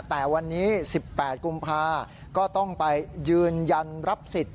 แต่วันนี้๑๘กุมภาก็ต้องไปยืนยันรับสิทธิ์